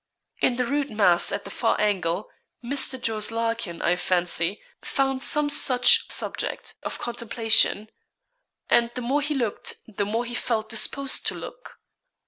In the rude mass at the far angle, Mr. Jos. Larkin, I fancy, found some such subject of contemplation. And the more he looked, the more he felt disposed to look.